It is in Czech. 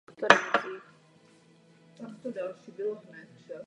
Je primárně obecným teoretikem.